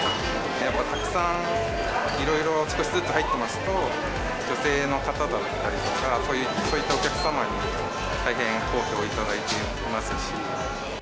やっぱたくさん、いろいろ少しずつ入っていますと、女性の方だったりとか、そういったお客様に大変好評いただいていますし。